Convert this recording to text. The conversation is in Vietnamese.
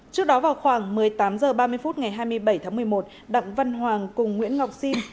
trước đó vào khoảng một mươi tám h ba mươi phút ngày hai mươi bảy tháng một mươi một đặng văn hoàng cùng nguyễn ngọc sim